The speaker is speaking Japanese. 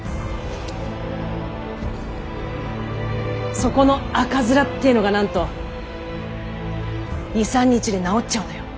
そこの赤面ってのがなんと２３日で治っちゃうのよ。